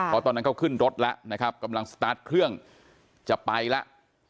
เพราะตอนนั้นเขาขึ้นรถแล้วนะครับกำลังสตาร์ทเครื่องจะไปแล้ว